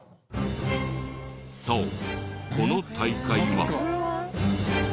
そうこの大会は。